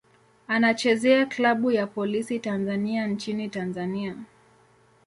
Anachezea klabu ya Polisi Tanzania nchini Tanzania.